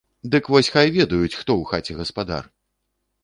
Дык вось хай ведаюць, хто ў хаце гаспадар!